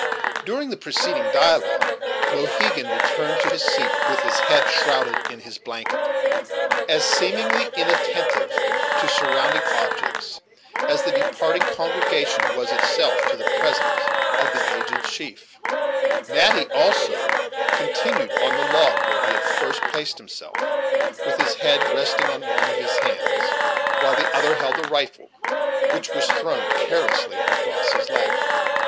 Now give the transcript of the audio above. During the preceding dialogue, Mohegan retained his seat, with his head shrouded in his blanket, as seemingly inattentive to surrounding objects as the departing congregation was itself to the presence of the aged chief, Natty, also, continued on the log where he had first placed himself, with his head resting on one of his hands, while the other held the rifle, which was thrown carelessly across his lap.